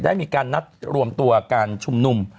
ได้มีการนัดรวมตัวการชุมนุม